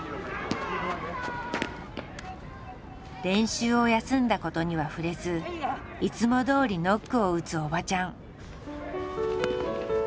練習を休んだことには触れずいつもどおりノックを打つおばちゃん。